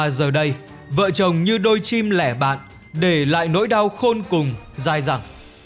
vậy mà giờ đây vợ chồng như đôi chim lẻ bạn để lại nỗi đau khôn cùng dài dẳng